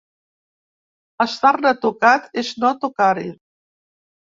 Estar-ne tocat és no tocar-hi.